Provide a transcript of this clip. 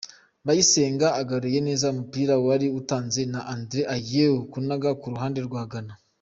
Bayisenga agaruye neza umupira wari utanzwe na Andre Ayew, kunaga ku ruhande rwa Ghana.